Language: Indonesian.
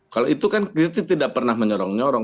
kalau itu kan kita tidak pernah menyorong nyorong